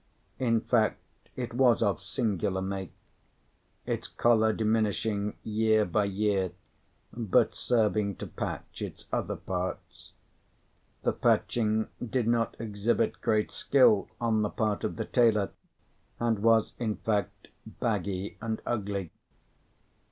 In fact, it was of singular make: its collar diminishing year by year, but serving to patch its other parts. The patching did not exhibit great skill on the part of the tailor, and was, in fact, baggy and ugly.